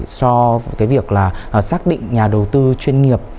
so với cái việc là xác định nhà đầu tư chuyên nghiệp